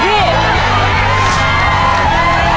๓๗พวง